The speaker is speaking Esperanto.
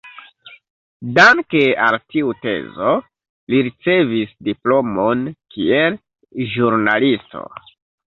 Danke al tiu tezo li ricevis diplomon kiel ĵurnalisto.